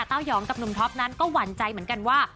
เต้ายองกับหนุ่มท็อปนั้นก็หวั่นใจเหมือนกันว่า